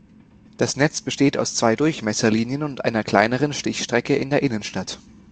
Das Netz besteht aus zwei Durchmesserlinien und einer kleineren Stichstrecke in der Innenstadt.